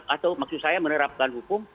atau maksud saya menerapkan hukum